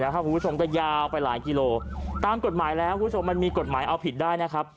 ผู้ชมจะยาวไปหลายกิโลกรัมตามกฎหมายแล้วมันมีกฎหมายเอาผิดได้นะครับ